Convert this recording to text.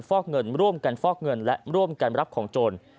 ฟอกเงินร่วมกันฟอกเงินและร่วมกันรับของโจร